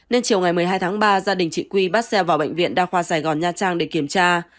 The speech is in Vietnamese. nên chiều ngày một mươi hai tháng ba gia đình chị quy bắt xe vào bệnh viện đa khoa sài gòn nha trang để kiểm tra